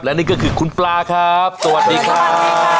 และนี่ก็คือคุณปลาครับสวัสดีครับสวัสดีครับสวัสดีครับ